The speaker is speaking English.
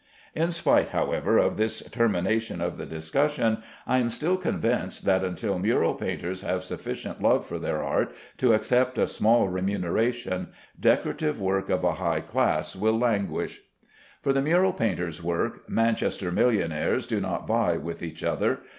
In spite, however, of this termination of the discussion, I am still convinced that until mural painters have sufficient love for their art to accept a small remuneration, decorative work of a high class will languish. For the mural painter's work, Manchester millionnaires do not vie with each other.